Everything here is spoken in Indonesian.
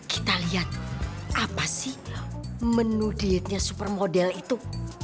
kita lihat apa sih menu dietnya supermodel itu